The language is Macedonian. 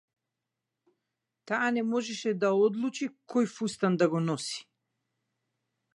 Таа не можеше да одлучи кој фустан да го носи.